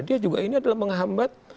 dia juga ini adalah menghambat